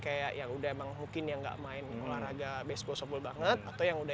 kayak yang udah emang mungkin yang nggak main olahraga baseball softball banget atau yang udah